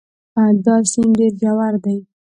دا سیند ډېر ژور دی.